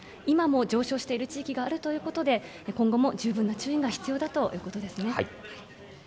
今も上昇している地域があるということで、今後も十分な注意が必要だということですね。